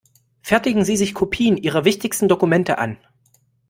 Fertigen Sie sich Kopien Ihrer wichtigsten Dokumente an.